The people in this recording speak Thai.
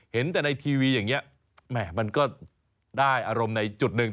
เห็นแต่ในทีวีอย่างนี้แหม่มันก็ได้อารมณ์ในจุดหนึ่ง